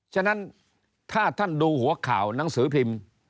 ฉะนั้นถ้าท่านดูหัวข่าวหนังสือพิมพ์